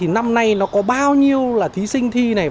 năm nay có bao nhiêu thí sinh thi